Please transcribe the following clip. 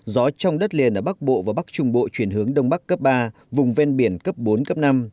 gió trong đất liền ở bắc bộ và bắc trung bộ chuyển hướng đông bắc cấp ba vùng ven biển cấp bốn cấp năm